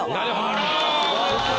あら。